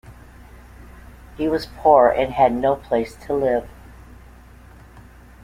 He was poor and had no place to live.